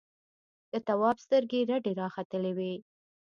د تواب سترګې رډې راختلې وې.